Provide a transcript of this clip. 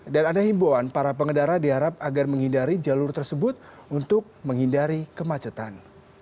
dan ada himbuan para pengedara diharap agar menghindari jalur tersebut untuk menghindari kemacetan